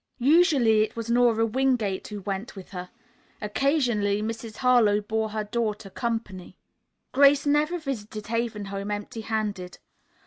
Usually it was Nora Wingate who went with her. Occasionally Mrs. Harlowe bore her daughter company. Grace never visited Haven Home empty handed.